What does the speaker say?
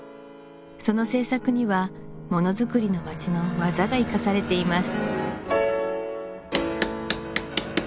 その製作にはものづくりの町の技が生かされています